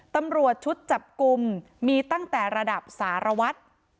ตำรวจชุดจับกลุ่มมีตั้งแต่ระดับสารวัตร